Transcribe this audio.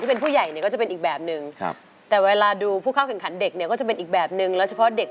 ชีวิตภูมิเมื่อดูคุกช่องร้องขังเด็ก